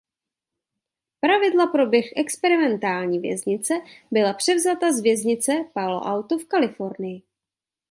Pravidla pro běh experimentální věznice byla převzata z věznice Palo Alto v Kalifornii.